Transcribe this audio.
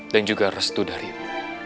dan juga restu darimu